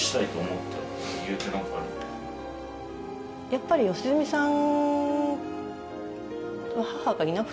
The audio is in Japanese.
やっぱり良純さん。